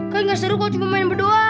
kan gak seru kok cuma main berdua